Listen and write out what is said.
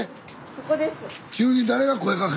そこです。